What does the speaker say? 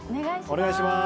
お願いします。